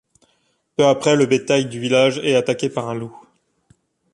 Peu après, le bétail du village est attaqué par un loup.